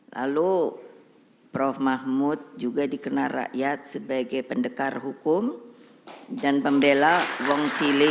lalu prof mahmud juga dikenal rakyat sebagai pendekar hukum dan pembela wong cili